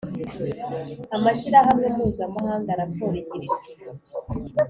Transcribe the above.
amashyirahamwe mpuzamahanga, raporo igira iti